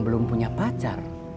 belum punya pacar